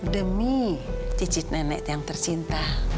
demi cicit nenek yang tercinta